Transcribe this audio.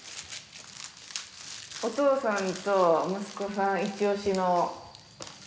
お父さんと息子さんイチオシの。